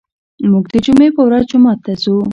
موږ د جمعې په ورځ جومات ته ځو.